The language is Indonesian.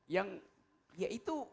yang ya itu